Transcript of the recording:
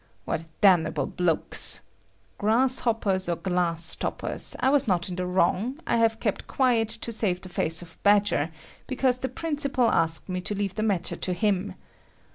What damnable blokes! Grasshoppers or glass stoppers, I was not in the wrong; I have kept quiet to save the face of Badger because the principal asked me to leave the matter to him.